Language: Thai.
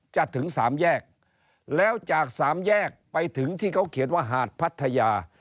ถึงสามแยกแล้วจากสามแยกไปถึงที่เขาเขียนว่าหาดพัทยา